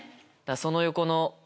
その横の。